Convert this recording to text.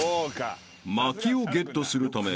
［薪をゲットするため］